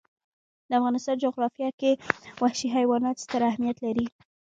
د افغانستان جغرافیه کې وحشي حیوانات ستر اهمیت لري.